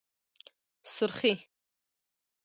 💄سورخي